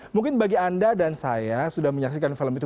mungkin bagi anda dan saya sudah menyaksikan film itu